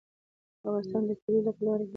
افغانستان د کلیو له پلوه اړیکې لري.